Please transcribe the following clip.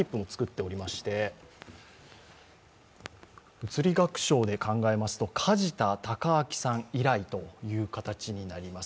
物理学賞で考えますと梶田隆章さん以来という形になります。